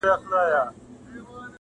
ورته وخاندم او وروسته په ژړا سم!